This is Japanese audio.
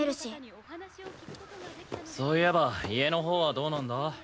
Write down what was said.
そういえば家のほうはどうなんだ？